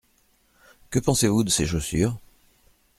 Que pensez-vous de ces chaussures ?